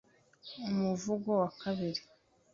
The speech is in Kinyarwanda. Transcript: Umuvugo wa kabiri